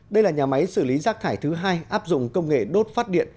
đây là nhà máy xử lý rác thải thứ hai áp dụng công nghệ đốt phát điện